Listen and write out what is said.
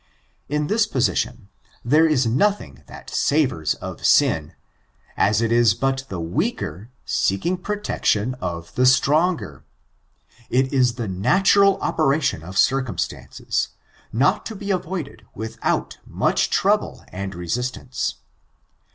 In this position there is nothing that savors of sin, as it is but the weaker seeking protection of the stronger — it is the naturai operation of circumstances, not to be avoided without much trouble and resistance.